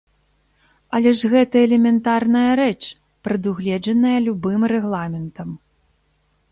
Але ж гэта элементарная рэч, прадугледжаная любым рэгламентам.